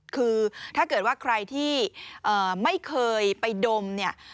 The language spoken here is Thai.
คือถ้าเกิดว่าใครที่ไม่เคยไปดมเนี่ย